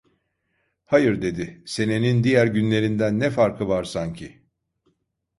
"Hayır" dedi, "senenin diğer günlerinden ne farkı var sanki?"